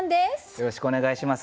よろしくお願いします。